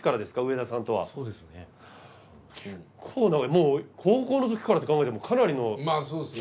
もう高校のときからって考えてもかなりの期間ですよね。